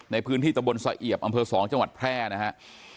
ในพื้นที่ตะบนสะเอียบอำเภอ๒จังหวัดแพร่นะครับ